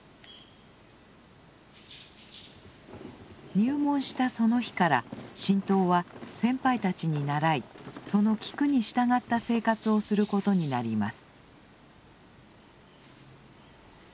入門したその日から新到は先輩たちにならいその規矩に従った生活をすることになります。